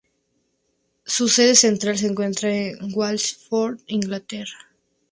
Su sede central se encuentra en Wallingford, Inglaterra.